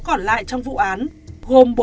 còn lại trong vụ án gồm